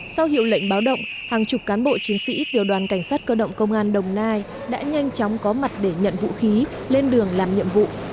sau hiệu lệnh báo động hàng chục cán bộ chiến sĩ tiểu đoàn cảnh sát cơ động công an đồng nai đã nhanh chóng có mặt để nhận vũ khí lên đường làm nhiệm vụ